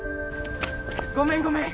ごめんごめん。